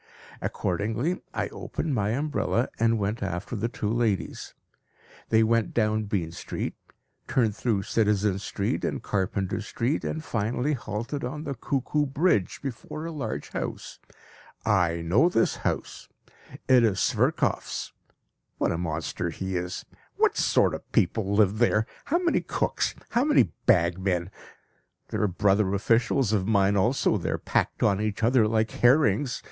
Accordingly, I opened my umbrella and went after the two ladies. They went down Bean Street, turned through Citizen Street and Carpenter Street, and finally halted on the Cuckoo Bridge before a large house. I know this house; it is Sverkoff's. What a monster he is! What sort of people live there! How many cooks, how many bagmen! There are brother officials of mine also there packed on each other like herrings.